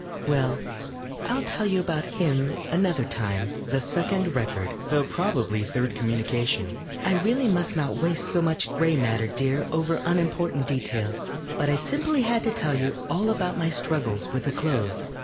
Well, I'll tell you about hi m another time. THE SECOND RECORD THOUGH PROBABLY THIRD COMMUNICATION I really must not waste so much gray matter, dear, over unimportant details. But I simply had to tell you all about my struggles with the clothes.